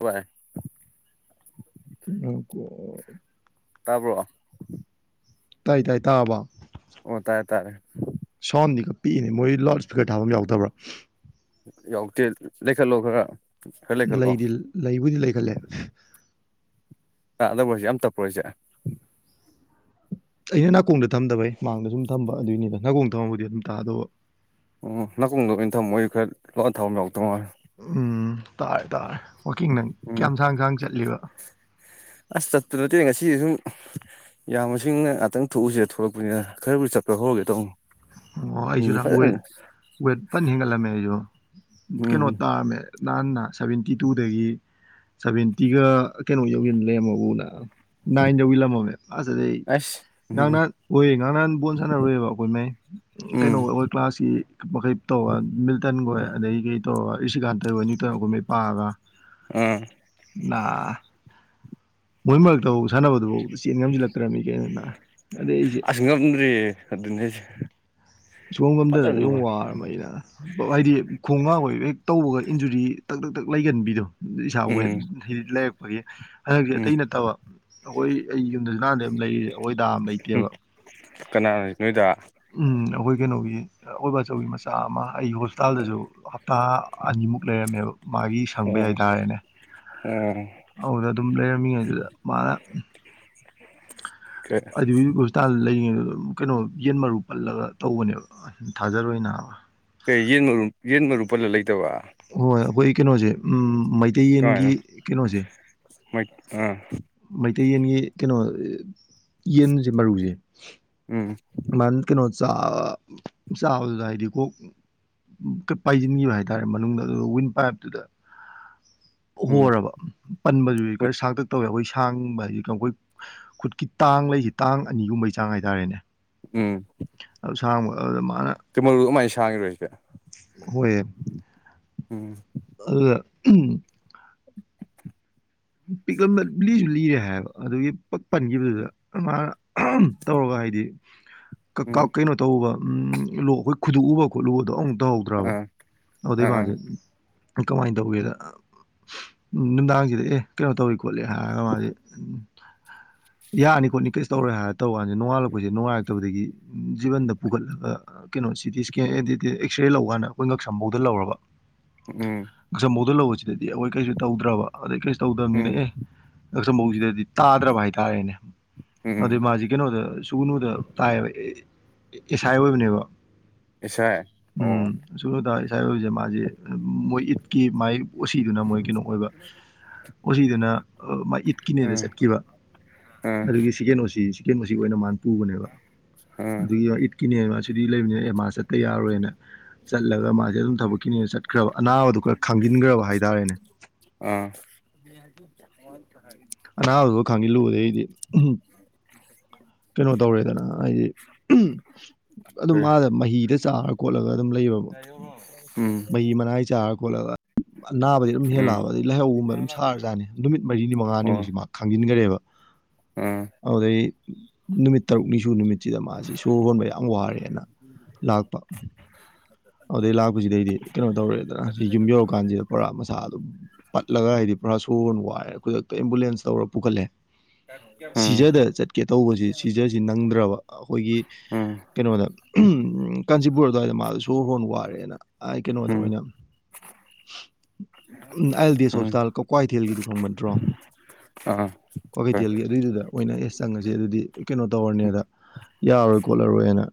ꯍꯣꯏ ꯀꯣ [inaudible] ꯇꯥꯕ꯭ꯔꯣ ꯇꯥꯏ ꯇꯥꯏ ꯇꯥꯕ ꯑꯣ ꯇꯥꯏ ꯇꯥꯔꯦ ꯄꯤꯛꯏꯅꯦ ꯃꯣꯏ ꯂꯥꯎꯠ ꯏꯁꯄꯤꯀꯔ ꯊꯥꯕ ꯑꯃ ꯌꯥꯎꯗꯕ꯭ꯔꯥ ꯌꯥꯛꯇ ꯂꯩꯈꯠꯂꯣ ꯈꯒ ꯂꯩꯗꯤ ꯂꯩꯕꯨꯗꯤ ꯂꯩꯈꯠꯂꯦ ꯑꯥ ꯑꯗꯕꯨꯁꯦ ꯌꯥꯝ ꯇꯞꯄꯣ ꯍꯥꯏꯁꯦ ꯑꯩꯅ ꯅꯥꯀꯣꯡꯗ ꯊꯝꯗꯕꯩ ꯃꯥꯡꯗ ꯁꯨꯝ ꯊꯝꯕ ꯑꯗꯨꯏꯅꯤꯗ ꯅꯥꯀꯣꯡꯗ ꯊꯝꯃꯕꯨꯗꯤ ꯑꯗꯨꯝ ꯇꯥꯗꯧꯕ ꯎ ꯅꯥꯀꯣꯡꯗ ꯑꯣꯏꯅ ꯊꯝꯃꯣꯣꯏ ꯈꯔ ꯂꯣꯟ ꯊꯥꯎ ꯑꯃ ꯌꯥꯔꯗꯧ ꯃꯦ ꯎꯝ ꯇꯥꯏꯦ ꯇꯥꯏꯔ ꯎꯝ ꯑꯁ ꯆꯠ ꯅꯠꯇ ꯉꯁꯤ ꯁꯨꯝ ꯌꯥꯝ ꯃꯁꯤꯡꯅ ꯉꯥꯛꯇꯪ ꯊꯣꯛꯎꯁꯦ ꯊꯣꯛꯂꯛꯄꯅꯤꯅ ꯈꯔꯕꯨ ꯆꯠꯄ ꯍꯧꯔꯒꯦ ꯇꯧꯅ ꯑꯣ ꯑꯩꯁꯨꯗꯍꯥꯛ ꯋꯦꯠ ꯋꯦꯠ ꯐꯅ ꯍꯦꯟꯒꯠꯂꯝꯃꯦ ꯑꯩꯁꯨ ꯀꯩꯅꯣ ꯎꯝ ꯇꯥꯔꯝꯃꯦ ꯅꯍꯥꯟꯟꯅ ꯁꯚꯦꯟꯇꯤ ꯇꯨꯗꯒꯤ ꯁꯚꯦꯟꯇꯤꯒ ꯀꯩꯅꯣ ꯌꯧꯁꯤꯟ ꯂꯩꯔꯝꯃꯕꯨꯅ ꯅ ꯏꯅꯦ ꯍꯏꯂꯂꯝ ꯑꯃꯃꯦ ꯑꯁ ꯑꯁ ꯉꯥꯡ ꯎꯝ ꯅꯍꯥꯟ ꯍꯣꯏꯌꯦ ꯉꯥꯡ ꯅꯍꯥꯟ ꯕꯣꯜ ꯁꯥꯟꯅꯔꯣꯏꯑꯕ ꯑꯩꯈꯣꯏ ꯃꯥꯏ ꯎꯝ ꯀꯩꯅꯣꯒ ꯑꯩꯈꯣꯏ ꯀ꯭ꯂꯥꯁꯀꯤ ꯃꯈꯩ ꯇꯧꯕꯔ ꯃꯤꯜꯇꯟꯈꯣꯏ ꯑꯗꯒꯤ ꯀꯩ ꯇꯧꯕꯔ ꯔꯤꯁꯤꯀꯥꯟꯇ ꯍꯣꯏ ꯅ꯭ꯌꯨꯇꯟ ꯒ [inaudible] ꯄꯥꯒ ꯎꯝ ꯃꯣꯏ ꯃꯔꯛꯇꯧꯕ ꯁꯥꯟꯅꯕꯗꯨꯐꯥꯎꯕ ꯆꯦꯟ ꯉꯝꯁꯤꯜꯂꯛꯇ꯭ꯔꯕꯃꯤ ꯀꯦꯅ ꯑꯗꯩ ꯑꯩꯁꯦ ꯑꯁ ꯉꯝꯗ꯭ꯔꯦ ꯑꯗꯨꯅꯦ ꯍꯥꯏꯁꯦ ꯁꯣꯝ ꯉꯝꯗꯅ ꯐꯖꯅ ꯑꯩ ꯅꯨꯡꯉꯥꯏ ꯋꯥꯔꯕꯃꯩꯅ ꯍꯥꯏꯗꯤ ꯈꯣꯡ ꯉꯥꯕꯒꯤ ꯍꯦꯛ ꯇꯧꯕꯒ ꯏꯟꯖꯨꯔꯤ ꯇꯛ ꯇꯛ ꯇꯛ ꯂꯩꯒꯟꯕꯤꯗꯣ ꯏꯁꯥ ꯋꯦꯠ ꯎꯝ ꯍꯥꯏꯗꯤ ꯂꯩꯔꯛꯄꯒꯤ ꯍꯟꯗꯛꯁꯦ ꯎꯝ ꯑꯇꯩ ꯅꯠꯇꯕ ꯑꯩꯈꯣꯏ ꯑꯩ ꯌꯨꯝꯗꯁꯨ ꯅꯍꯥꯟꯗꯩ ꯂꯩ ꯑꯩꯈꯣꯏ ꯗꯥ ꯑꯃ ꯎꯝ ꯂꯩꯇꯦꯕ ꯀꯅꯥꯅꯣ ꯅꯣꯏꯗ ꯎꯝ ꯑꯩꯈꯣꯏ ꯀꯩꯅꯣꯒꯤ ꯑꯩꯈꯣꯏ ꯕꯥꯆꯧꯒꯤ ꯃꯆꯥ ꯑꯃ ꯑꯩ ꯍꯣꯁꯄꯤꯇꯥꯜꯗꯁꯨ ꯍꯞꯇꯥ ꯑꯅꯤꯃꯨꯛ ꯂꯩꯔꯝꯃꯦꯕ ꯃꯥꯒꯤ ꯑꯣ ꯁꯪꯕꯩ ꯍꯥꯏꯇꯥꯔꯦꯅꯦ ꯑꯣ ꯑꯗꯨꯗ ꯑꯗꯨꯝ ꯂꯩꯔꯝꯃꯤ ꯑꯗꯨꯗ ꯃꯥꯅ ꯑꯗꯨꯏ ꯍꯣꯁꯄꯤꯇꯥꯜ ꯂꯩꯔꯤꯉꯩ ꯑꯗꯨꯝ ꯀꯩꯅꯣ ꯌꯦꯟ ꯃꯔꯨ ꯄꯜꯂꯒ ꯇꯧꯕꯅꯦꯕ ꯊꯥꯖꯔꯣꯏ ꯅꯥꯕ ꯀꯩ ꯌꯦꯟ ꯃꯔꯨꯝ ꯌꯦꯟ ꯃꯔꯨ ꯄꯜꯂ ꯂꯩꯇꯕ ꯍꯣꯏ ꯑꯩꯈꯣꯏ ꯀꯩꯅꯣꯁꯦ ꯎꯝ ꯀꯃꯥꯏꯅ ꯃꯩꯇꯩꯌꯦꯟꯒꯤ ꯀꯩꯅꯣꯁꯦ ꯃꯣꯏ ꯑꯥ ꯃꯩꯇꯩ ꯌꯦꯟꯒꯤ ꯀꯩꯅꯣ ꯌꯦꯟꯁꯦ ꯃꯔꯨꯁꯦ ꯎꯝ ꯆ ꯆꯥꯕꯗ ꯍꯥꯏꯗꯤ ꯀꯣ ꯄꯥꯏꯁꯤꯟꯈꯤꯕ ꯍꯥꯏꯇꯥꯔꯦ ꯃꯅꯨꯡꯗ ꯑꯗꯨ ꯋꯤꯟ ꯄꯥꯏꯞꯇꯨꯗ ꯎꯝ ꯍꯣꯔꯕ ꯄꯟꯕꯗꯨꯗꯤ ꯍꯣꯏ ꯈꯔ ꯁꯥꯛꯇꯛ ꯇꯧꯋꯦ ꯑꯩꯈꯣꯏ ꯊꯥꯡꯕ ꯍꯥꯏ ꯑꯩꯈꯣꯏ ꯈꯨꯠꯀꯤ ꯇꯥꯡ ꯂꯩꯁꯤ ꯇꯥꯡ ꯑꯅꯤꯒꯨꯝꯕꯩ ꯆꯥꯡ ꯍꯥꯏꯇꯥꯔꯦꯅꯦ ꯎꯝ ꯑꯁꯥꯡꯕ ꯑꯗꯨꯗ ꯃꯥ ꯀꯩ ꯃꯔꯨ ꯀꯃꯥꯏꯅ ꯁꯥꯡꯉꯤꯕ ꯁꯤꯗꯤ ꯍꯣꯏ ꯎꯝ ꯑꯗꯨꯅ ꯄꯤꯛꯂꯝ ꯂꯤꯁꯨ ꯂꯤꯔꯦ ꯍꯥꯏꯕ ꯑꯗꯨꯒꯤ ꯄꯛ ꯄꯟꯈꯤꯕꯗꯨꯗ ꯃꯥꯅ ꯇꯧꯔꯒ ꯍꯥꯏꯗꯤ ꯎꯝ ꯀꯩꯅꯣ ꯇꯧꯕ ꯎꯝ ꯂꯣꯛ ꯑꯩꯈꯣꯏ ꯈꯨꯗꯣꯛꯎꯕ ꯈꯣꯠꯂꯨꯗꯣ ꯑꯃꯨ ꯇꯧꯍꯧꯗ꯭ꯔꯕ ꯑꯥ ꯑꯗꯨꯗꯩ ꯑꯥ ꯃꯥꯁꯦ ꯀꯃꯥꯏꯅ ꯇꯧꯒꯦꯗ ꯅꯨꯡꯗꯥꯡꯁꯤꯗ ꯑꯦ ꯀꯩꯅꯣ ꯇꯧꯋꯤ ꯈꯣꯠꯂꯤ ꯍꯥꯏꯔꯒ ꯃꯥꯁꯦ ꯎ ꯌꯥꯅꯤ ꯈꯣꯠꯅꯤ ꯀꯩꯁꯨ ꯇꯧꯔꯣꯏ ꯍꯥꯏꯔ ꯇꯧ ꯀꯥꯁꯦ ꯅꯣꯡꯉꯥꯜꯂꯛꯄꯁꯦ ꯅꯨꯡꯉꯥꯏꯔꯛꯇꯕꯗꯒꯤ ꯖꯤꯕꯟꯗ ꯄꯨꯈꯠꯂꯒ ꯀꯩꯅꯣ ꯁꯤꯇꯤ ꯏꯁꯀꯦꯟ ꯑꯦꯛꯁꯔꯦ ꯂꯧꯀꯥꯟꯗ ꯑꯩꯈꯣꯏ ꯉꯛꯁꯝꯐꯧꯗ ꯂꯧꯔꯕ ꯎꯝ ꯉ ꯁ ꯃꯣꯗ ꯂꯧꯕꯁꯤꯗꯗꯤ ꯑꯩꯈꯣꯏ ꯀꯩꯁꯨ ꯇꯧꯗ꯭ꯔꯕ ꯑꯗꯩ ꯀꯩꯁꯨ ꯇꯧꯗꯕꯅꯤꯅ ꯎꯝ ꯑꯦ ꯉꯛꯁꯝꯕꯧꯁꯤꯗꯗꯤ ꯇꯥꯗ꯭ꯔꯕ ꯍꯥꯏꯇꯥꯔꯦꯅꯦ ꯑꯗꯨꯏ ꯎꯝ ꯃꯥꯁꯤ ꯀꯩꯅꯣꯗ ꯁꯨꯒꯨꯅꯨꯗ ꯇꯥꯏꯕ ꯑꯦꯁꯥꯏ ꯑꯣꯏꯕꯅꯦꯕ ꯑꯦꯁꯥꯏ ꯎꯝ ꯁꯨꯛꯅꯗ ꯑꯦꯁꯥꯏ ꯑꯣꯏꯕꯁꯦ ꯃꯥꯁꯦ ꯃꯣꯏ ꯏꯠꯀꯤ ꯃꯥꯏ ꯑꯣꯁꯤꯗꯨꯅ ꯃꯣꯏ ꯀꯩꯅꯣ ꯑꯣꯏꯕ ꯑꯣꯁꯤꯗꯨꯅ ꯃꯥ ꯏꯠꯀꯤꯅꯦꯗ ꯎꯝ ꯆꯠꯈꯤꯕ ꯎꯝ ꯎꯝ ꯑꯗꯨꯒꯤ ꯁꯤꯀꯦꯟ ꯑꯣ ꯁꯤꯀꯦꯟ ꯑꯣꯏꯅ ꯃꯥ ꯄꯨꯕꯅꯦꯕ ꯑꯥ ꯎꯝ ꯀꯤꯅꯦ ꯃꯥ ꯁꯤꯗꯤ ꯂꯩꯕꯅꯤꯅ ꯑꯦ ꯃꯥ ꯆꯠꯇ ꯌꯥꯔꯣꯏꯅ ꯆꯠꯂꯒ ꯃꯥꯁꯦ ꯑꯗꯨꯝ ꯊꯕꯛ ꯀꯤꯅꯦꯅ ꯆꯠ ꯑ ꯑꯅꯥꯕꯗꯣ ꯈꯥꯡꯖꯤꯜꯂꯨꯕꯗ ꯑꯩꯗꯤ ꯀꯩꯅꯣ ꯇꯧꯔꯦꯗꯅ ꯍꯥꯏꯗꯤ ꯑꯗꯨꯝ ꯑꯥ ꯃꯥꯗ ꯃꯍꯤꯗ ꯆꯥꯔ ꯈꯣꯠꯂꯒ ꯑꯗꯨꯝ ꯂꯩꯕ ꯎꯝ ꯃꯍꯤ ꯃꯅꯥꯏ ꯆꯥꯔꯒ ꯑꯅꯥꯕꯗꯤ ꯑꯗꯨꯝ ꯎꯝ ꯎꯝ ꯍꯦꯜꯂꯛꯑꯕ ꯑꯗꯩ ꯂꯥꯏꯍꯧꯒꯨꯝꯕ ꯑꯗꯨꯝ ꯁꯥꯔꯖꯥꯠꯅꯤ ꯅꯨꯃꯤꯠ ꯃꯔꯤꯅꯤ ꯃꯉꯥꯅꯤꯃꯨꯛꯁꯤ ꯃꯥ ꯈꯥꯡꯖꯤꯟꯈ꯭ꯔꯦꯕ ꯑꯗꯨꯗꯩ ꯅꯨꯃꯤꯠ ꯇꯔꯨꯛꯅꯤꯁꯨ ꯅꯨꯃꯤꯠ ꯁꯤꯗ ꯃꯥꯁꯤ ꯁꯣꯔ ꯍꯣꯟꯕ ꯌꯥꯝ ꯋꯥꯔꯦꯅ ꯂꯥꯛꯄ ꯑꯗꯨꯗꯩ ꯂꯥꯛꯄꯁꯤꯗꯩꯗꯤ ꯀꯩꯅꯣ ꯇꯧꯔꯑꯦꯗꯅ ꯁꯤ ꯌꯨꯝ ꯌꯧꯔꯀꯥꯟꯁꯤꯗ ꯄꯨꯔꯥ ꯃꯁꯥ ꯑꯗꯨꯝ ꯄꯠꯂꯒ ꯍꯥꯏꯗꯤ ꯄꯨꯔꯥ ꯁꯣꯔ ꯍꯣꯟꯕ ꯋꯥꯔꯦ ꯈꯨꯗꯛꯇ ꯑꯦꯝꯕꯨꯂꯦꯟꯁ ꯇꯧꯔ ꯄꯨꯈꯠꯂꯦ ꯀ ꯁꯤꯖꯗ ꯆꯠꯀꯦ ꯇꯧꯕꯁꯤ ꯁꯤꯖꯁꯤ ꯅꯪꯗ꯭ꯔꯕ ꯑꯩꯈꯣꯏꯒꯤ ꯎꯝ ꯀꯩꯅꯣꯗ ꯀꯥꯟꯆꯤꯄꯨꯔ ꯑꯗꯨꯋꯥꯏꯗ ꯃꯥꯁꯨ ꯁꯣꯔ ꯍꯣꯟ ꯋꯥꯔꯦꯅ ꯑꯩ ꯀꯩꯅꯣꯗ ꯑꯣꯏꯅ ꯑꯥꯏ ꯑꯦꯜ ꯗꯤ ꯑꯦꯁ ꯍꯣꯁꯄꯤꯇꯥꯜ ꯀ ꯀ꯭ꯋꯥꯏꯊꯦꯜꯒꯤꯗꯨ ꯈꯪꯕ ꯅꯠꯇ꯭ꯔꯣ ꯑꯥ ꯀ꯭ꯋꯥꯀꯩꯊꯦꯜꯒꯤ ꯑꯗꯨꯏꯗꯨꯗ ꯃꯣꯏ ꯑꯣꯏꯅ ꯑꯦꯁ ꯆꯪꯉꯁꯦ ꯑꯗꯨꯗꯤ ꯀꯩꯅꯣ ꯇꯧꯔꯅꯤꯗ ꯌꯥꯔꯔꯣꯏ ꯈꯣꯠꯂꯔꯣꯏ ꯍꯥꯏꯅ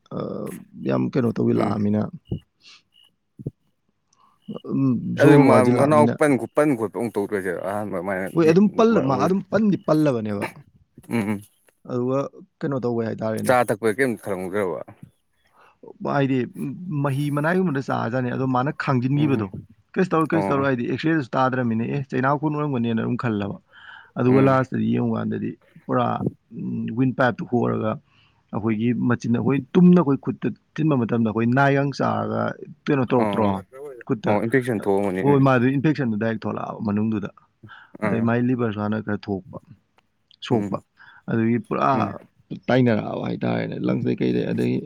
ꯌꯥꯝ ꯀꯩꯅꯣ ꯇꯧꯋꯤ ꯎꯝ ꯂꯥꯛꯑꯃꯤꯅ ꯑꯗꯨ ꯖꯣꯔꯣꯟ ꯃꯅꯥꯎ ꯋꯥꯁꯤꯜꯂꯛꯑꯃꯤꯅ ꯈꯣꯠꯄ ꯑꯃꯨꯛ ꯇꯧꯗꯣꯏꯁꯦ ꯑꯍꯥꯟꯕ ꯑꯗꯨꯃꯥꯏꯅ ꯄꯗꯤ ꯄꯜꯂꯕꯅꯦꯕ ꯎꯝꯝ ꯑꯗꯨꯒ ꯀꯩꯅꯣ ꯇꯧꯕꯩ ꯍꯥꯏꯇꯥꯔꯦꯅꯦ ꯆꯥ ꯊꯛꯄꯒꯤ ꯀꯔꯤꯝꯇ ꯈꯪꯂꯝꯈ꯭ꯔꯕ ꯍꯥꯏꯗꯤ ꯃꯍꯤ ꯃꯅꯥꯏꯒꯨꯝꯕꯗ ꯆꯥꯖꯥꯠꯅꯤ ꯑꯗꯣ ꯃꯥꯅ ꯎꯝ ꯈꯥꯡꯖꯤꯟꯈꯤꯕꯗꯣ ꯀꯩꯁꯨ ꯇꯧꯔꯣ ꯀꯩꯁꯨ ꯇꯧꯔꯣ ꯑꯣ ꯍꯥꯏꯗꯤ ꯑꯦꯛꯁꯔꯦꯗꯁꯨ ꯇꯥꯗ꯭ꯔꯕꯃꯤꯅꯦ ꯑꯦ ꯆꯩꯅꯥꯎ ꯀꯣꯟꯟ ꯎꯔꯝꯒꯅꯦꯅ ꯑꯗꯨꯝ ꯈꯜꯂꯕ ꯎꯝ ꯑꯗꯨꯕꯨꯂ ꯁꯗꯤ ꯎꯀꯥꯟꯗꯗꯤ ꯄꯨꯔꯥ ꯋꯤꯟ ꯄꯥꯏꯞꯇ ꯍꯔꯒ ꯑꯩꯈꯣꯏꯒꯤ ꯑꯩꯒꯤ ꯃꯆꯤꯟ ꯑꯩꯈꯣꯏ ꯇꯨꯝꯅ ꯑꯩꯈꯣꯏ ꯈꯨꯠꯇ ꯊꯤꯟꯕ ꯃꯇꯝꯗ ꯑꯩꯈꯣꯏ ꯅꯥꯏꯒꯡ ꯆꯥꯔꯒ ꯀꯩꯅꯣ ꯇꯧꯔꯛꯇ꯭ꯔꯣ ꯑꯣ ꯈꯨꯠꯇ ꯑꯣ ꯏꯟꯐꯦꯛꯁꯟ ꯍ ꯊꯣꯛꯑꯝꯃꯅꯤꯅꯦ ꯃꯥꯗꯨ ꯏꯟꯐꯦꯛꯁꯟꯗꯨ ꯗꯥꯏꯔꯦꯛ ꯊꯣꯛꯂꯛꯑꯕ ꯃꯅꯨꯡꯗꯨꯗ ꯑꯗꯩ ꯑꯥ ꯃꯥꯏꯂꯤ ꯄꯔꯁꯥꯅ ꯈꯔ ꯊꯣꯛꯄ ꯎꯝ ꯁꯣꯛꯄ ꯑꯗꯨꯒꯤ ꯄꯨꯔꯥ ꯎꯝ ꯇꯥꯏꯅꯔꯛ ꯍꯥꯏꯇꯥꯔꯦꯅꯦ ꯂꯪꯁꯦ ꯀꯩꯗꯩ ꯑꯗꯒꯤ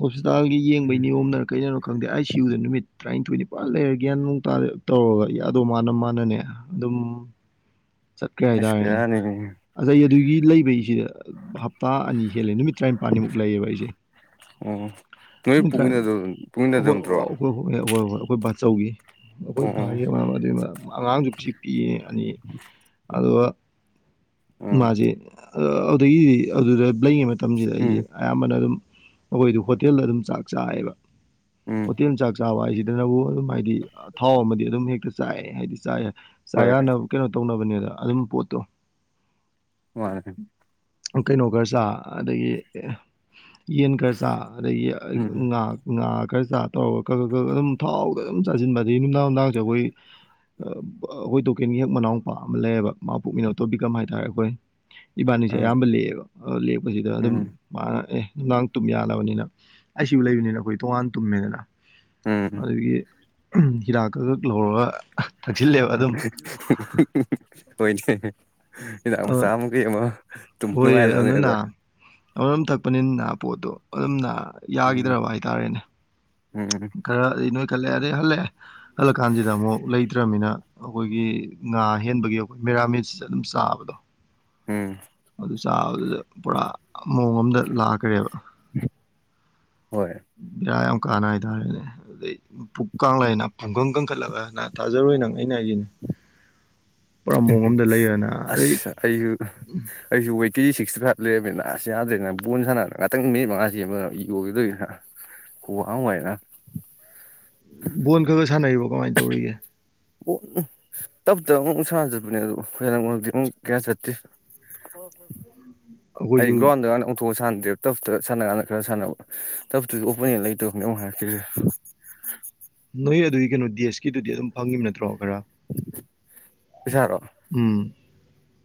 ꯍꯣꯁꯄꯤꯇꯥꯜꯒꯤ ꯎꯝ ꯌꯦꯡꯕꯩꯅꯤꯌꯣꯝꯅꯔ ꯀꯩꯅꯣ ꯈꯪꯗꯦꯥꯏ ꯁꯤ ꯌꯨꯗ ꯅꯨꯃꯤꯠ ꯇꯔꯥꯅꯤꯊꯣꯏ ꯅꯤꯄꯥꯥꯟ ꯂꯩꯔꯒꯦ ꯅꯨꯡ ꯇ ꯇꯧꯔꯒ ꯌꯥꯗꯣ ꯃꯥꯅ ꯃꯥꯅꯅꯦ ꯑꯗꯨꯝ ꯆꯠꯀ꯭ꯔꯦ ꯑꯁ ꯍꯥꯏꯇꯥꯔꯦꯅꯦ ꯕꯦꯔꯥꯅꯤꯅꯦ ꯑꯁꯩ ꯑꯗꯨꯒꯤ ꯂꯩꯕꯩꯁꯤꯗ ꯍꯇꯥ ꯑꯅꯤ ꯍꯦꯜꯂꯦ ꯅꯨꯃꯤꯠ ꯇꯔꯥꯅꯤꯄꯥꯜꯅꯤꯃꯨꯛ ꯂꯩꯌꯦꯕ ꯑꯩꯁꯦ ꯑꯣ ꯅꯣꯏ ꯄꯨꯃꯤꯟꯅ ꯄꯨꯃꯤꯟꯅꯗ ꯑꯣ ꯑꯩꯈꯣꯏ ꯍꯣꯏ ꯍꯣꯏ ꯍꯣꯏ ꯑꯩꯈꯣꯏ ꯕꯥꯆꯧꯒꯤ ꯑꯣ ꯑꯩꯈꯣꯏ ꯑꯣ ꯚꯥꯒꯤꯉ ꯑꯗꯨꯒꯤ ꯑꯉꯥꯡꯁꯨ ꯄꯤꯌꯦ ꯑꯅꯤ ꯑꯗꯨꯒ ꯎꯝ ꯃꯥꯁꯦ ꯑꯗꯨꯗꯒꯤꯗꯤ ꯑꯗꯨꯗ ꯂꯩꯉꯩ ꯃꯇꯝꯁꯤꯗ ꯑꯩꯁꯦ ꯎꯝ ꯑꯌꯥꯝꯕꯅ ꯑꯗꯨꯝ ꯑꯩꯈꯣꯏꯗꯤ ꯍꯣꯇꯦꯜꯗ ꯑꯗꯨꯝ ꯆꯥꯛ ꯆꯥꯌꯦꯕ ꯎꯝ ꯍꯣꯇꯦꯜ ꯆꯥꯛ ꯆꯥꯕ ꯍꯥꯏꯁꯤꯗꯅꯕꯨ ꯑꯗꯨꯝ ꯍꯥꯏꯗꯤ ꯊꯥꯎ ꯑꯃꯗꯤ ꯑꯗꯨꯝ ꯍꯦꯛꯇ ꯆꯥꯏ ꯍꯥꯏꯗꯤ ꯆ ꯆꯥ ꯍꯣꯏ ꯌꯥꯅꯕ ꯀꯩꯅꯣ ꯇꯧꯅꯕꯅꯦꯗ ꯑꯗꯨꯝ ꯄꯣꯠꯇꯨꯣ ꯃꯥꯅꯦ ꯀꯩꯅꯣꯒꯔ ꯁꯥ ꯑꯗꯒꯤ ꯌꯦꯟ ꯈꯔꯆꯥꯥ ꯑꯗꯒꯤ ꯎꯝ ꯉꯥ ꯉꯥ ꯈꯔꯆꯥꯥ ꯇꯧꯔꯒ ꯀꯛ ꯀꯛ ꯀ ꯑꯗꯨꯝ ꯊꯥꯎꯒ ꯑꯗꯨꯝ ꯆꯥꯁꯤꯟꯕ ꯑꯗꯒꯤ ꯌꯨꯝꯗꯥꯡ ꯅꯨꯡꯗꯥꯡꯁꯦ ꯑꯩꯈꯣꯏ ꯑꯩꯈꯣꯏ ꯇꯣꯀꯦꯟꯒꯤ ꯍꯦꯛ ꯃꯅꯥꯎ ꯅꯨꯄꯥ ꯑꯃ ꯂꯩꯌꯦꯕ ꯃꯥꯄꯣꯛ ꯃꯤꯅꯇꯣ ꯕꯤꯀꯝ ꯍꯥꯏꯇꯥꯔꯦ ꯑꯩꯈꯣꯏ ꯏꯕꯥꯅꯤꯁꯦ ꯎꯝ ꯑꯌꯥꯝꯕ ꯂꯦꯛꯑꯦꯕ ꯂꯦꯛꯄꯁꯤꯗ ꯑꯗꯨꯝ ꯎꯝ ꯃꯥꯅ ꯑꯦ ꯅꯨꯡꯗꯥꯡ ꯇꯨꯝ ꯌꯥꯅꯕꯅꯤꯅ ꯑꯩꯁꯨ ꯂꯩꯕꯅꯤꯅ ꯑꯩꯈꯣꯏ ꯇꯣꯉꯥꯟ ꯇꯨꯝꯃꯦꯗꯅ ꯎꯝ ꯑꯗꯨꯗꯒꯤ ꯏꯤꯔ ꯈꯛ ꯈꯛ ꯂꯧꯔꯒ ꯊꯛꯆꯜꯂꯦꯕ ꯑꯗꯨꯝ ꯍꯣꯏꯅꯦ ꯍꯤꯗꯥꯛ ꯑ, ꯃꯆꯥ ꯑꯃ ꯀꯩ ꯑꯃꯣꯨꯝ ꯅꯨꯡꯉꯥꯏꯗꯕꯅꯦ ꯑꯗ ꯑꯗꯨꯝ ꯊꯛꯄꯅꯤꯅ ꯄꯣꯠꯇꯣ ꯑꯗꯨꯝꯅ ꯎꯝ ꯌꯥꯈꯤꯗ꯭ꯔꯕ ꯍꯥꯏꯇꯥꯔꯦꯅꯦ ꯎꯝ ꯈꯔꯗꯤ ꯅꯣꯏ ꯀꯠꯂꯛꯑꯦ ꯑꯗꯩ ꯍꯜꯂꯛꯑꯦ ꯍꯜꯂꯛ ꯀꯥꯟꯁꯤꯗ ꯑꯃꯨꯛ ꯂꯩꯇ꯭ꯔꯕꯅꯤꯅ ꯑꯩꯈꯣꯏꯒꯤ ꯉꯥ ꯍꯦꯟꯕꯒꯤ ꯑꯩꯈꯣꯏ ꯄꯦꯔꯥꯃꯤꯠꯁ ꯑꯗꯨꯝ ꯆꯥꯕꯗꯣ ꯎꯝ ꯆꯥꯗ ꯄꯨꯔꯥ ꯃꯑꯣꯡ ꯑꯃꯝꯗ ꯂꯥꯛꯈ꯭ꯔꯦꯕ ꯍꯣꯏ ꯕꯤꯔꯥ ꯌꯥꯝ ꯀꯥꯟꯅ ꯍꯥꯏꯇꯥꯔꯦꯅꯦ ꯑꯗꯩ ꯄꯨꯛ ꯀꯥꯡꯂ ꯍꯥꯏꯅ ꯄꯥꯡꯈꯪ ꯀꯟꯈꯠꯂꯒꯅ ꯊꯥꯖꯔꯣꯏ ꯅꯪ ꯑꯩꯅ ꯍꯥꯏꯒꯤꯅꯦ [inaudible] ꯑꯁ ꯑꯩꯁꯨ ꯑꯩꯁꯨ ꯤ ꯁꯤꯛꯁꯇꯤ ꯐꯥꯏꯚ ꯂꯩꯔꯕꯃꯤꯅ ꯑꯁ ꯌꯥꯗ꯭ꯔꯦꯅ ꯕꯜ ꯁꯥꯟꯅꯕꯅ ꯉꯥꯛꯇꯪ ꯃꯤꯅꯤꯠ ꯃꯉꯥꯥꯁꯦ ꯑꯃ ꯌꯣꯈꯤꯗꯣꯏꯅꯤꯅ ꯈꯨꯍ ꯋꯥꯅ ꯕꯣꯜ ꯈꯔ ꯈꯔ ꯁꯥꯟꯅꯔꯤꯕꯣ ꯀꯃꯥꯏ ꯇꯧꯔꯤꯒꯦ ꯇꯞ ꯇꯞ ꯑꯃꯨꯛ ꯁꯅ ꯆꯠꯄꯅꯦ ꯑꯗꯨ ꯍ ꯃꯔꯛꯇ ꯑꯃꯨꯛ ꯀꯌꯥ ꯆꯠꯇꯦ ꯑꯩꯈꯣꯏꯁꯨ ꯑꯩꯒ꯭ꯔꯣꯗ ꯎꯊꯣꯛ ꯁꯥꯟ ꯑꯞ ꯇꯞꯇ ꯁꯥꯟꯅ ꯀꯥꯟꯅ ꯈꯔ ꯁꯥꯟꯅꯕ ꯇꯞꯇꯨꯁꯨ ꯑꯣꯄꯅꯦꯟ ꯂꯩꯇꯕꯅꯦ ꯑꯃꯨꯛ ꯍꯥꯏꯔꯛꯈꯤꯁꯦ ꯅꯣꯏ ꯑꯗꯨꯒꯤ ꯀꯩꯅꯣ ꯗꯦꯁꯀꯤꯗꯨꯗꯤ ꯑꯗꯨꯝ ꯐꯪꯉꯤꯕ ꯅꯠꯇ꯭ꯔꯣ ꯈꯔ ꯄꯁꯔꯣ ꯎꯝ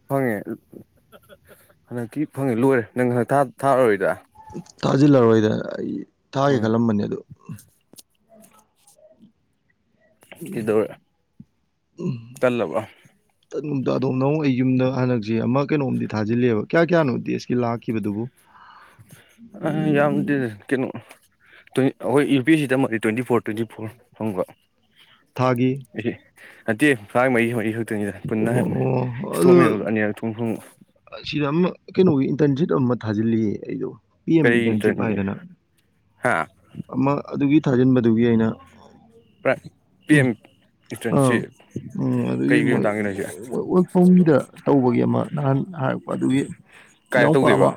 ꯐꯪꯉꯦ ꯍꯟꯗꯛꯇꯤ ꯐꯪꯉꯦ ꯂꯣꯏꯔꯦ ꯅꯪ ꯍꯟꯗꯛ ꯊꯥꯔꯔꯣꯏꯗ ꯊꯥꯖꯤꯜꯂꯔꯣꯏꯗ ꯑꯩ ꯊꯥꯒꯦ ꯎꯝ ꯈꯜꯂꯝꯕꯅꯤ ꯑꯗꯨꯗ ꯏꯗꯣ ꯇꯜꯂꯕ ꯇꯨꯝꯝꯇ ꯑꯗꯣꯝ ꯅꯪ ꯑꯩ ꯌꯨꯝꯗ ꯍꯟꯗꯛꯁꯦ ꯑꯃ ꯀꯩꯅꯣꯝꯗꯤ ꯊꯥꯖꯤꯜꯂꯤꯦꯕ ꯀꯌꯥ ꯀꯌꯥꯅꯣ ꯗꯦꯁꯀꯤ ꯂꯥꯛꯈꯤꯕꯗꯨꯕꯨ ꯑ ꯌꯥꯝꯗꯤ ꯀꯅꯣ ꯇ꯭ꯋ ꯑꯩꯈꯣꯏ ꯌꯨ ꯄꯤ ꯁꯤꯗꯝꯃ ꯇ꯭ꯋꯦꯟꯇꯤ ꯐꯣꯔ ꯇ꯭ꯋꯦꯟꯇꯤ ꯐꯣꯔ ꯐꯪꯕ ꯊꯥꯒꯤ ꯍꯟꯇꯦ ꯐꯥꯡ ꯃꯔꯤ ꯃꯔꯤ ꯈꯛꯇꯅꯤꯗ ꯄꯨꯟꯅ ꯑꯣ ꯍꯟꯅ ꯑꯣ ꯑꯗꯨ ꯏꯁꯇꯣꯝ ꯑꯅꯤꯔꯛ ꯊꯨꯝ ꯐꯣꯡꯉ ꯁꯤꯗ ꯑꯃ ꯀꯩꯅꯣꯒꯤ ꯏꯟꯇꯔꯟꯁꯤꯞ ꯑꯃ ꯊꯥꯖꯤꯜꯂꯤꯌꯦ ꯑꯩꯗꯣ ꯄꯤ ꯑꯦꯝ ꯀꯔꯤ ꯏꯟꯇꯔꯟꯁꯤꯞ ꯏꯟꯇꯔꯟꯅꯤ ꯍꯥꯏꯗꯅ ꯍꯥ ꯑꯃ ꯑꯗꯨꯒꯤ ꯊꯥꯖꯤꯟꯕꯗꯨꯒꯤ ꯑꯩꯅ ꯥꯏ ꯄꯤ ꯎꯝ ꯑꯦꯝ ꯏꯟꯇꯔꯟꯁꯤ ꯑꯥ ꯎꯝ ꯑꯗꯨꯒꯤ ꯀꯩ ꯀꯩ ꯃꯣꯏ ꯃꯇꯥꯡꯒꯤꯅꯣ ꯍꯥꯏꯁꯦ ꯑꯣꯛꯐꯝꯒꯤꯗ ꯇꯧꯕꯒꯤ ꯑꯃ ꯅꯍꯥꯟꯥꯟ ꯍꯥꯏꯔꯛꯄ ꯑꯗꯨꯒꯤ ꯀꯥꯏꯗ ꯏꯅꯥꯎꯄꯥ ꯑꯃ ꯇꯧꯗꯣꯏꯕ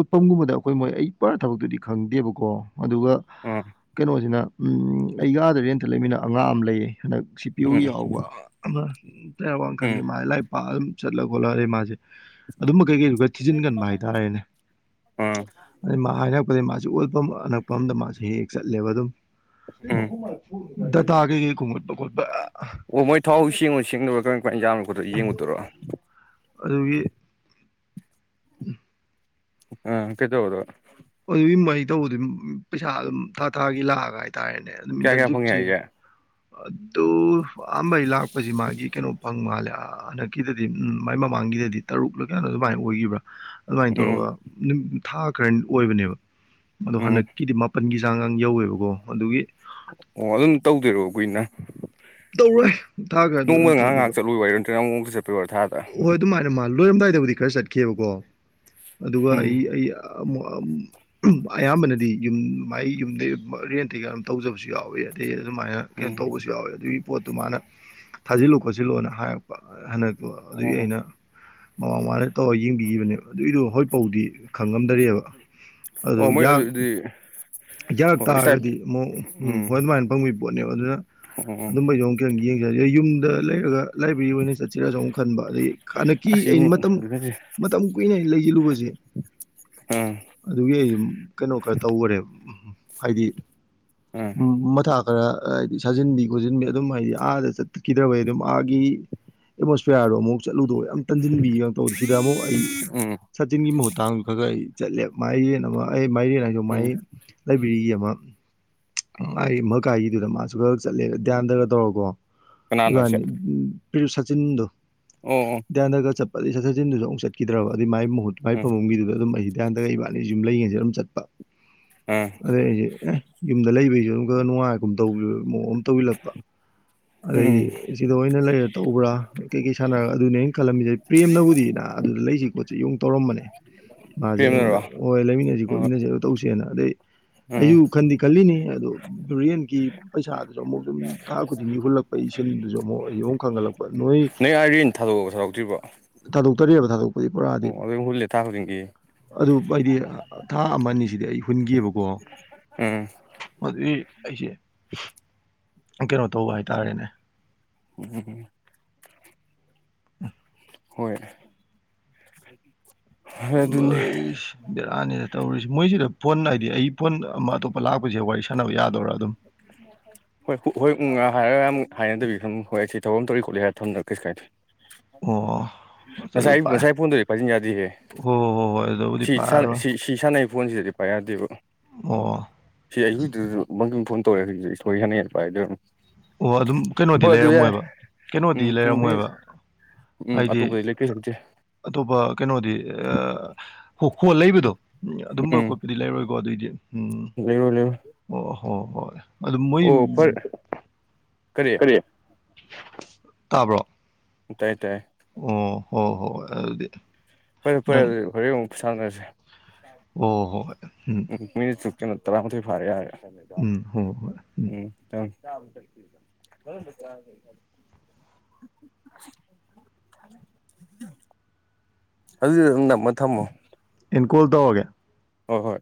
ꯏꯐꯝꯒꯨꯝꯕꯗ ꯑꯩꯈꯣꯏ ꯃꯣꯏ ꯑꯩ ꯄꯔ ꯊꯕꯛꯇꯨꯗꯤ ꯈꯪꯗꯦꯕꯀꯣ ꯑꯗꯨꯒ ꯎꯝ ꯀꯩꯅꯣꯁꯤꯅ ꯎ ꯑꯩꯒꯥꯗ ꯔꯦꯟꯇ ꯂꯩꯃꯤꯅ ꯑꯉꯥꯡ ꯑꯃ ꯂꯩꯌꯦ ꯍꯟꯗꯛ ꯁꯤ ꯄꯤꯌꯨ ꯎꯝ ꯌꯥꯎꯕ ꯑꯃ ꯋꯥꯅ ꯎꯝ ꯈꯪꯒꯦ ꯃꯥ ꯂꯥꯏ ꯄꯥꯛ ꯑꯗꯨꯝ ꯆꯠꯂꯒ ꯈꯣꯠꯂꯔꯦ ꯃꯥꯁꯦ ꯑꯗꯨꯝꯕ ꯀꯩ ꯀꯩ ꯑꯗꯨꯒ ꯊꯤꯖꯤꯟꯒꯟꯕ ꯍꯥꯏꯇꯥꯔꯦꯅꯦ ꯎꯝ ꯑꯅ ꯃꯥꯁꯦ ꯑꯣꯠꯄ ꯑꯅꯛꯄ ꯑꯗ ꯃꯥꯁꯤꯦ ꯍꯦꯛ ꯆꯠꯂꯦꯕ ꯑꯗꯨꯝ ꯎꯝ ꯗꯇꯥ ꯀꯩꯀꯩ ꯈꯨꯝꯃꯠꯄ ꯈꯣꯠꯄ ꯑꯣ ꯃꯣꯏ ꯊꯥꯎ ꯁꯦꯡꯉꯨ ꯁꯦꯡꯗꯕꯥ ꯀꯃꯝ ꯀꯃꯥꯏ ꯌꯥꯝꯅꯣ ꯈꯣꯠꯇ ꯌꯦꯡꯉꯨꯗꯣꯏꯣ ꯑꯗꯨꯗꯒꯤ ꯎꯝ ꯑ ꯀꯩꯗ ꯍꯧꯗ ꯑꯗꯨꯒꯤ ꯃꯩ ꯇꯧꯕꯗ ꯄꯩꯁꯥ ꯑꯗꯨ ꯊꯥ ꯊꯥꯒꯤ ꯂꯥꯛꯑꯒ ꯀꯌꯥ ꯀꯌꯥ ꯐꯪꯉꯦ ꯅꯦꯁꯤ ꯍꯥꯏꯒꯦ ꯑꯗꯨ ꯑꯝꯕ ꯏꯂ ꯍꯧ ꯃꯥꯒꯤ ꯀꯩꯅꯣ ꯐꯪ ꯃꯥꯜꯂꯦ ꯍꯟꯗꯛꯀꯤꯗꯗꯤ ꯎꯝ ꯃꯥꯏ ꯃꯃꯥꯡꯒꯤꯗꯗꯤ ꯇꯔꯨꯛꯂ ꯀꯅꯣ ꯑꯗꯨꯃꯥꯏꯅ ꯑꯣꯏꯈꯤꯕ꯭ꯔꯥ ꯑꯗꯨꯃꯥꯏꯅ ꯇꯧꯔꯒ ꯎꯝ ꯅꯨꯃꯤꯠ ꯊꯥ ꯈꯔꯅꯤ ꯑꯣꯏꯕꯅꯦꯕ ꯑꯗꯣ ꯎꯝ ꯍꯟꯗꯛꯀꯤꯗꯤ ꯃꯥꯄꯟꯒꯤ ꯍꯟꯁꯥꯡꯒꯥꯡ ꯌꯧꯋꯦꯕꯀꯣ ꯑꯗꯨꯒꯤ ꯑꯣ ꯑꯗꯨꯝ ꯇꯧꯗꯣꯏꯔꯣ ꯀꯨꯏꯅ ꯇꯧꯔꯣꯏ ꯊꯥ ꯈꯔꯗꯣ ꯑꯗꯨꯝ ꯅꯣꯡꯃꯗ ꯉꯥꯏꯍꯥꯛ ꯇꯧꯗꯣꯏꯕ ꯉꯥꯏꯍꯥꯛ ꯆꯠꯂꯨ ꯋꯥꯏꯔ ꯁꯦ ꯄꯦꯕꯔ ꯊꯥ ꯇ ꯍꯣꯏ ꯑꯗꯨꯃꯥꯏꯅ ꯃꯥ ꯂꯣꯏꯔꯝꯗꯥꯏꯗꯕꯨꯗꯤ ꯈꯔ ꯆꯠꯈꯤꯕꯀꯣ ꯑꯗꯨꯒ ꯑꯩ ꯎꯝ ꯑꯩ ꯑꯌꯥꯝꯕꯅꯗꯤ ꯌꯨꯝ ꯃꯥꯏ ꯌꯨꯝꯗꯩ ꯔꯦꯟꯇ ꯀ ꯇꯧꯖꯕꯁꯨ ꯌꯥꯎꯋꯤ ꯑꯗꯩ ꯑꯗꯨꯃꯥꯏꯅ ꯀꯩꯅꯣ ꯎꯝ ꯇꯧꯕꯁꯨ ꯌꯥꯎꯋꯦ ꯑꯗꯨꯒꯤ ꯄꯣꯠꯇꯨ ꯃꯥꯅ ꯊꯥꯖꯤꯜꯂꯨ ꯈꯣꯠꯆꯤꯜꯂꯣꯅ ꯍꯥꯏꯔꯛꯄ ꯍꯟꯗꯛ ꯑꯗꯨꯒꯤ ꯑꯣ ꯑꯩꯅ ꯃꯃꯥꯡ ꯃ ꯇꯧꯔꯒ ꯌꯦꯡꯕꯤꯈꯤꯕꯅꯦꯕ ꯑꯗꯨꯏꯗꯨꯣ ꯍꯣꯏꯐꯥꯎꯗꯤ ꯈꯪꯉꯝꯗꯔꯤꯑꯕ ꯑꯗꯨ ꯑꯣ ꯃꯣꯏ ꯌꯥ ꯑꯗꯨꯗꯤ ꯌꯥꯔꯛ ꯍꯣꯏ ꯇꯥꯔꯒꯗꯤ ꯏꯁꯇꯥꯏꯞ ꯑꯃꯨꯛ ꯎꯝ ꯍꯣꯏ ꯑꯗꯨꯃꯥꯏꯅ ꯐꯪꯕꯒꯤ ꯄꯣꯠꯅꯦꯕ ꯑꯗꯨꯅ ꯑꯣ ꯑꯗꯨꯝꯕ ꯌꯡꯣ ꯀ ꯌꯦꯡꯖꯔꯒ ꯌꯨꯝꯗ ꯂꯩꯔꯒ ꯂꯥꯏꯕ꯭ꯔꯦꯔꯤ ꯑꯣꯏꯅ ꯆꯠꯁꯤꯔꯁꯨ ꯑꯃꯨꯛ ꯈꯟꯕ ꯑꯗꯗꯒꯤ ꯍꯟꯗꯛꯀꯤ ꯑꯁ ꯌꯨꯝ ꯑꯩꯅ ꯃꯇꯝ ꯑꯗꯨꯗꯤ ꯃꯇꯝ ꯀꯨꯏꯅ ꯑꯩꯅ ꯂꯩꯁꯤꯜꯂꯨꯕꯁꯦ ꯎꯝ ꯑꯗꯨꯒꯤ ꯑꯩ ꯀꯩꯅꯣ ꯈꯔ ꯇꯧꯈꯔꯦꯕ ꯎ ꯍꯥꯏꯗꯤ ꯎꯝ ꯃꯊꯥ ꯈꯔ ꯍꯥꯏꯗꯤ ꯁꯥꯖꯤꯟꯕꯤ ꯈꯣꯠꯆꯤꯟꯕꯤ ꯑꯗꯨꯝ ꯍꯥꯏꯗꯤ ꯑꯥꯗ ꯆꯠꯈꯤꯗ꯭ꯔꯕꯩ ꯑꯗꯨꯝ ꯑꯥꯒꯤ ꯑꯦꯠꯃꯣꯁꯐꯤꯔꯣ ꯑꯃꯨꯛ ꯆꯠꯂꯨꯗꯣꯏꯦ ꯌꯥꯝ ꯇꯟꯁꯤꯟꯕꯤꯒꯦꯒ ꯇꯧꯕ ꯁꯤꯗ ꯑꯃꯨꯛ ꯑꯩ ꯎꯝ ꯁꯆꯤꯟꯒꯤ ꯃꯍꯨꯠꯠꯇꯥꯡ ꯈꯔꯒ ꯑꯩ ꯆꯠꯂꯦ ꯃꯥꯏꯔꯦꯟ ꯑꯃ ꯑꯩ ꯃꯥꯏꯔꯦꯟ ꯍꯥꯏꯁꯨ ꯃꯥꯏ ꯎꯝ ꯂꯩꯕ꯭ꯔꯦꯔꯤꯒꯤ ꯑꯃ ꯑꯩ ꯑꯃ ꯀꯥꯏꯒꯤꯗꯨꯗ ꯃꯥꯁꯨ ꯈꯔ ꯆꯠꯂꯦ ꯙ꯭ꯌꯥꯟꯗꯒ ꯇꯧꯔꯀꯣ ꯀꯅꯥꯅꯣ ꯁꯦ ꯏꯅꯤ ꯁꯆꯟꯗꯨꯣ ꯑꯣ ꯎꯝ ꯟꯗꯒꯔ ꯆ ꯑꯗꯩ ꯆꯠꯊꯠꯁꯤꯟꯗꯨꯁꯨ ꯑꯃꯨꯛ ꯆꯠꯈꯤꯗ꯭ꯔꯕ ꯑꯗꯨꯒꯤ ꯃꯍꯨꯠ ꯃꯥꯏ ꯎꯝ ꯄꯥꯨꯡ ꯃꯤꯗꯨꯗ ꯑꯗꯨꯝ ꯌꯥꯟꯗꯒꯩ ꯏꯕꯥꯅꯤ ꯌꯨꯝ ꯂꯩꯉꯁꯦ ꯑꯗꯨꯝ ꯆꯠꯄ ꯑꯗꯨꯗꯩ ꯑꯩꯁꯦ ꯑꯦ ꯌꯨꯝꯗ ꯂꯩꯕꯩ ꯅꯨꯡꯉꯥꯏꯒ ꯃꯑꯣꯡ ꯑꯃ ꯇꯧꯕꯤꯜꯂꯛꯄ ꯑꯗꯩꯗꯤ ꯎꯝ ꯁꯤꯗ ꯑꯣꯏꯅ ꯂꯩꯔ ꯇꯧꯕ꯭ꯔꯥ ꯀꯩꯀꯩ ꯁꯥꯟꯅꯔꯒ ꯑꯗꯨꯅꯦ ꯑꯩꯅ ꯈꯜꯂꯝꯃꯤꯁꯦ ꯄ꯭ꯔꯦꯝꯅꯕꯨꯗꯤꯅ ꯇ ꯅ ꯄ꯭ꯔꯦꯝꯅꯔꯣ ꯑꯣ ꯑꯗꯩ ꯎꯝ ꯑꯩꯁꯨ ꯈꯟꯗꯤ ꯈꯜꯂꯤꯅꯤ ꯑꯗꯣ ꯕꯔꯤꯌꯦꯟꯒꯤ ꯄꯩꯁꯥ ꯑꯃꯨꯛ ꯁꯨꯝ ꯊꯥ ꯈꯨꯗꯤꯡꯒꯤ ꯍꯨꯜꯂꯛꯄ ꯏꯁꯤꯡꯟꯗꯨꯁꯨ ꯑꯃꯨꯛ ꯑꯩ ꯑꯃꯨꯛ ꯈꯪꯍꯠꯂꯛꯄ ꯅꯣꯏ ꯁꯧꯔꯛꯇ꯭ꯔꯤꯕ ꯇꯔꯦꯠꯕ ꯊꯥꯗꯣꯛꯄꯗꯤ ꯄꯨꯔꯥꯗꯤ ꯑꯩꯈꯣꯏ ꯍꯦꯇꯥ ꯍꯔꯤꯡꯒ ꯑꯗꯨ ꯍꯥꯏꯗꯤ ꯊꯥ ꯑꯃꯅꯤ ꯑꯅꯤꯁꯤꯗꯤ ꯑꯩ ꯍꯨꯟꯒꯕꯀꯣ ꯎꯝ ꯃꯗꯨꯕꯤ ꯑꯩꯁꯦ [inaudible] ꯀꯩꯅꯣ ꯇꯧꯕ ꯍꯥꯏꯇꯥꯔꯦꯅꯦ ꯎꯝ ꯎ ꯍꯣꯏ ꯍꯣꯏ ꯑꯗꯨꯅꯦ ꯂꯣꯏ ꯕꯦꯔꯥꯅꯤꯗ ꯇꯧꯔꯤꯁꯤ ꯃꯣꯏꯁꯤꯗ ꯐꯣꯟ ꯍꯥꯏꯗꯤ ꯑꯩ ꯐꯣꯟ ꯑꯃ ꯑꯇꯣꯞꯄ ꯂꯥꯛꯄꯁꯦ ꯋꯥꯔꯤ ꯁꯥꯟꯅꯕ ꯌꯥꯗꯣꯏꯔꯥ ꯑꯗꯨꯝ ꯑ ꯍꯥꯏꯔ ꯌꯥꯝ ꯍꯥꯏꯅꯗꯕꯤ ꯁꯨꯝ ꯍꯣꯏ ꯑꯩ ꯊꯧꯐꯝ ꯇꯧꯔꯤ ꯈꯣꯠꯂꯤ ꯍꯥꯏꯔ ꯊꯝꯔꯒ ꯀꯩ ꯀꯥꯏꯗꯦ ꯑꯣ ꯉꯁꯥꯏ ꯑꯗꯨꯗꯤ ꯄꯥꯏ ꯉꯁꯥꯏ ꯐꯣꯟꯗꯗꯤ ꯄꯥꯏꯁꯤꯟ ꯌꯥꯗꯍꯦ ꯍꯣꯏ ꯍꯣꯏ ꯍꯣꯏ ꯑꯗꯨꯕꯨꯗꯤ ꯄꯥꯏꯔꯔꯣꯏ ꯁꯤ ꯁꯥꯟꯅꯩ ꯐꯣꯟꯁꯤꯗꯗꯤ ꯄꯥꯏ ꯌꯥꯗꯦꯕ ꯑ ꯁꯤ ꯑꯩꯈꯣꯏꯗꯨꯗꯁꯨ ꯃꯪꯡ ꯐꯣꯟ ꯇꯧꯔꯦ ꯍꯧꯖꯤꯛ ꯏꯁꯣꯏ ꯍꯅꯩ ꯄꯥꯏꯗ ꯑꯗꯨꯝ ꯑꯣ ꯑꯗꯨꯝ ꯀꯩꯅꯣꯗꯤ ꯂꯩꯔꯝꯃꯣꯏꯕ ꯀꯩꯅꯣꯗꯤ ꯎꯝ ꯄꯨꯡꯗꯤ ꯂꯩꯔꯝꯃꯣꯏꯕ ꯎꯝ ꯍꯥꯏꯗꯤ ꯑꯇꯣꯞꯄꯗ ꯂꯩ ꯀꯦꯦ ꯑꯇꯣꯞꯄ ꯀꯩꯅꯣꯗꯤ ꯍꯣ ꯍꯣ ꯂꯩꯕꯗꯣ ꯑꯗꯨꯝꯕ ꯈꯣꯠꯄꯗꯤ ꯂꯩꯔꯣꯏꯀꯣ ꯑꯗꯨꯑꯣꯏꯗꯤ ꯏ ꯍꯣꯏ ꯍꯣꯏ ꯑꯗꯨ ꯃꯣꯏ ꯀꯔꯤꯦ ꯇꯥꯕ꯭ꯔꯣ ꯇꯥꯏ ꯇꯥꯏ ꯑꯣ ꯍꯣ ꯍꯣ ꯑꯗꯨꯗꯤ ꯐꯔꯦ ꯐꯔꯦ ꯅꯪ ꯑꯗꯨꯗꯤ ꯍꯣꯔꯦꯟ ꯑꯃꯨꯛ ꯁꯥꯟꯅꯔꯁꯦ ꯑꯣ ꯍꯣꯏ ꯎꯝ ꯃꯤꯅꯤꯠ ꯆꯨ ꯀꯩꯅꯣ ꯇꯔꯥꯃꯥꯊꯣꯏ ꯐꯥꯔꯦ ꯌꯥꯔꯦꯗ ꯎꯝ ꯍꯣꯏ ꯍꯣꯏ ꯎꯝ ꯆꯪ ꯌꯥꯝꯝ ꯆꯔꯁꯤꯔ ꯀ [inaudible] ꯑꯗꯨꯪ ꯅꯝꯃ ꯊꯝꯃꯣ ꯏꯟꯀꯣꯜ ꯇꯧꯔꯒꯦ ꯍ ꯍꯣꯏ